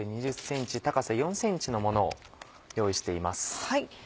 高さ４ｃｍのものを用意しています。